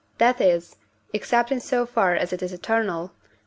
that is, except in so far as it is eternal (V.